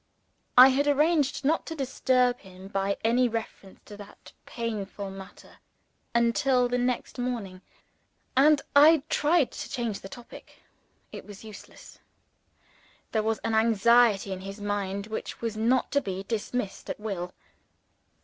I had arranged not to disturb him by any reference to that painful matter until the next morning; and I tried to change the topic. It was useless. There was an anxiety in his mind which was not to be dismissed at will.